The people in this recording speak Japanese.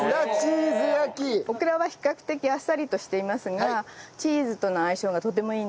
オクラは比較的あっさりとしていますがチーズとの相性がとてもいいんです。